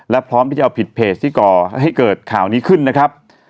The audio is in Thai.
และพร้อมที่จะเอาผิดเพจที่ก่อให้เกิดข่าวนี้ขึ้นนะครับ